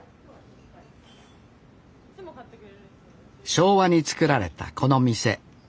昭和に作られたこの店。